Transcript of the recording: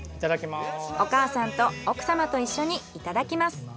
お母さんと奥様と一緒にいただきます。